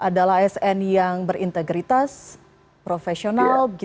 adalah asn yang berintegritas profesional